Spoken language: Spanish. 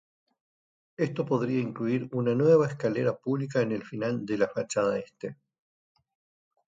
Esto podría incluir una nueva escalera pública en el final de la fachada este.